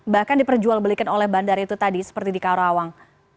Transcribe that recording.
bahkan diperjualbelikan oleh bandar itu tadi seperti di karawang